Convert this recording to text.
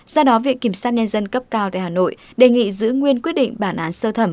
do đó viện kiểm sát nhân dân cấp cao tại hà nội đề nghị giữ nguyên quyết định bản án sơ thẩm